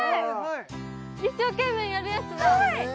一生懸命やるやつだはい！